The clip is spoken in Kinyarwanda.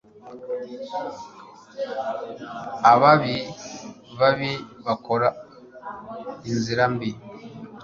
Ababi babi bakora inzira mbi